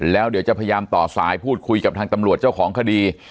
แล้วเดี๋ยวจะพยายามต่อสายพูดคุยกับทางตำรวจเจ้าของคดี